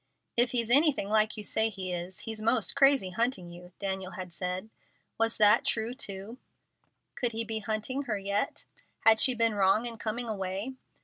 "If he's anything like you say he is, he's most crazy hunting you," Daniel had said. Was that true, too? Could he be hunting her yet? Had she been wrong in coming away?